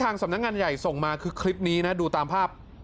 สำนักงานใหญ่ส่งมาคือคลิปนี้นะดูตามภาพ